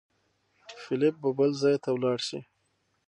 فېلېپ به بل ځای ته ولاړ شي.